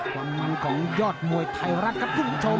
ความมันของยอดมวยไทยรัฐครับคุณผู้ชม